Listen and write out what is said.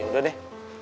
ya udah deh